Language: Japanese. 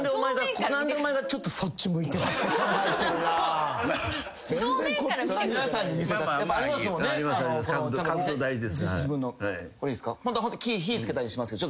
ホントはもっときい火つけたりしますけど。